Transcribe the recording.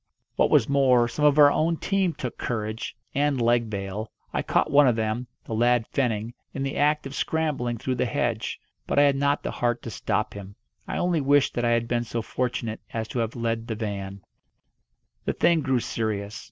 What was more, some of our own team took courage, and leg bail. I caught one of them the lad Fenning in the act of scrambling through the hedge. But I had not the heart to stop him. I only wished that I had been so fortunate as to have led the van. The thing grew serious.